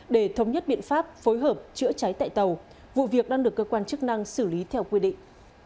để thống nhất biện pháp phối hợp chữa cháy tại tàu vụ việc đang được cơ quan chức năng xử lý theo quy định